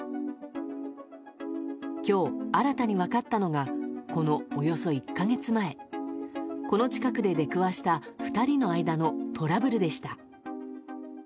今日、新たに分かったのがこのおよそ１か月前この近くで出くわした２人の間のトラブルでした。